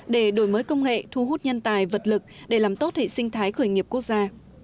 để đổi mới công nghệ thu hút nhân tài vật lực để làm tốt hệ sinh thái khởi nghiệp quốc gia